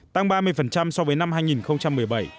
tăng ba mươi so với năm hai nghìn một mươi bảy